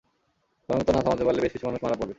সময়মতো না থামাতে পারলে বেশ কিছু মানুষ মারা পড়বে।